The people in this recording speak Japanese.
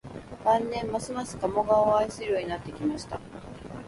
晩年、ますます加茂川を愛するようになってきました